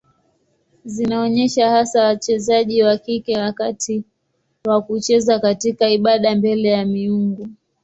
Zinaonyesha hasa wachezaji wa kike wakati wa kucheza katika ibada mbele ya miungu.